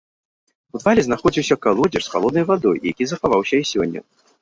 У падвале знаходзіўся калодзеж з халоднай вадой, які захаваўся і сёння.